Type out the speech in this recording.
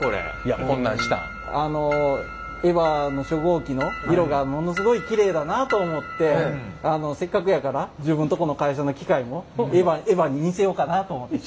あのＥＶＡの初号機の色がものすごいきれいだなと思ってせっかくやから自分とこの会社の機械もＥＶＡに似せようかなと思って。